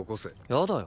やだよ。